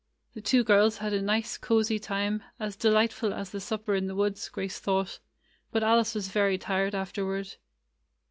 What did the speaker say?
The two girls had a nice, cosy time, as delightful as the supper in "Grace began to read" the woods, Grace thought. But Alice was very tired afterward.